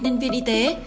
ninh viên y tế